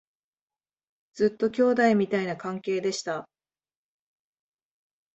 ずっと兄弟みたいな関係でした